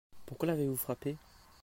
Pourquoi l'avez-vous frappé ?